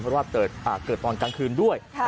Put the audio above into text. เพราะว่าเกิดตอนกลางคืนด้วย